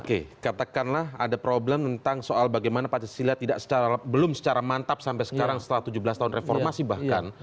oke katakanlah ada problem tentang soal bagaimana pancasila belum secara mantap sampai sekarang setelah tujuh belas tahun reformasi bahkan